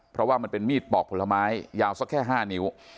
เพราะว่ามันเป็นมีดปอกผลไม้ยาวสักแค่๕นิ้ว